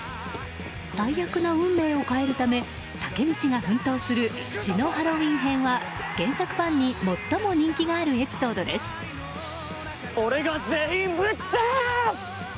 最悪な運命を変えるためタケミチが奮闘する「血のハロウィン編」は原作ファンに最も人気がある俺が全員ぶっ倒す！